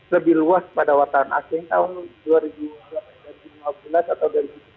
lebih luas pada wartawan asing tahun dua ribu lima belas atau dua ribu dua puluh